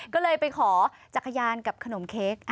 ก็เลยไปขอจักรยานกับขนมเค้ก